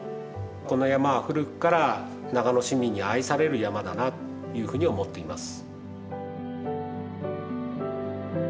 この山は古くから長野市民に愛される山だなというふうに思っています。